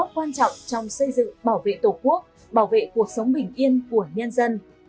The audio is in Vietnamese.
quan trọng trong xây dựng bảo vệ tổ quốc bảo vệ cuộc sống bình yên của nhân dân